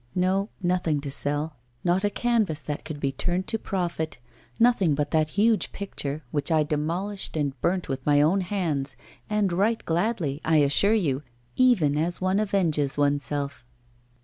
No, nothing to sell, not a canvas that could be turned to profit, nothing but that huge picture, which I demolished and burnt with my own hands, and right gladly, I assure you, even as one avenges oneself.